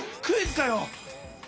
クイズかよ。